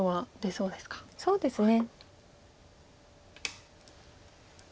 そうですね。